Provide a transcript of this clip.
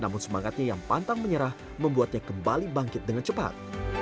namun semangatnya yang pantang menyerah membuatnya kembali bangkit dengan cepat